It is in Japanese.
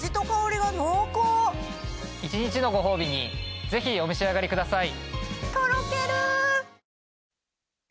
一日のご褒美にぜひお召し上がりください。